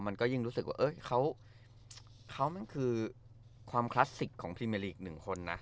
มันก็ยิ่งรู้สึกว่าเขามันคือความคลาสสิกของพรีเมอร์ลีก๑คนนะ